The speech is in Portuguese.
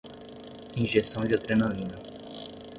Injeção de adrenalina